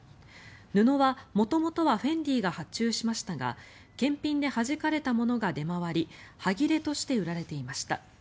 布は元々はフェンディが発注しましたが検品ではじかれたものが出回り端切れとして売られていました。